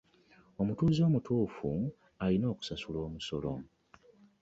Omutuuze omutuufu alina okusasula omusolo.